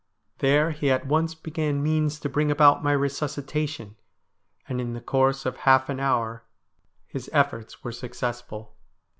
There he at once began means to bring about my resuscitation, and in the course of half an THE STORY OF A HANGED MAN 293 hour his efforts were successful.